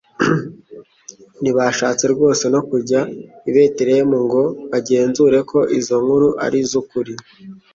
Ntibashatse rwose no kujya i Betelehemu ngo bagenzure ko izo nkuru ari iz'ukuri.